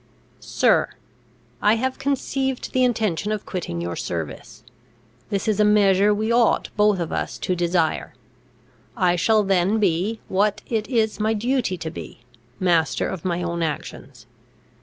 "Sir, "I have conceived the intention of quitting your service. This is a measure we ought both of us to desire. I shall then be, what it is my duty to be, master of my own actions.